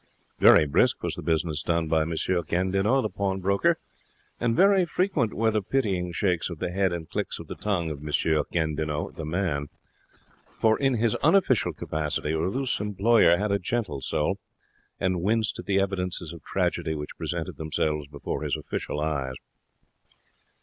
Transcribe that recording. Very brisk was the business done by M. Gandinot, the pawnbroker, and very frequent were the pitying shakes of the head and clicks of the tongue of M. Gandinot, the man; for in his unofficial capacity Ruth's employer had a gentle soul, and winced at the evidences of tragedy which presented themselves before his official eyes.